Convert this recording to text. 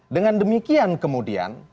dengan demikian kemudian